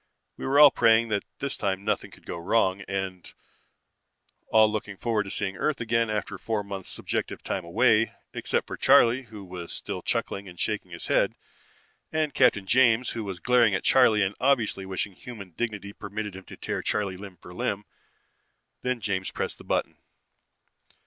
We were all praying that this time nothing would go wrong, and all looking forward to seeing Earth again after four months subjective time away, except for Charley, who was still chuckling and shaking his head, and Captain James who was glaring at Charley and obviously wishing human dignity permitted him to tear Charley limb from limb. Then James pressed the button.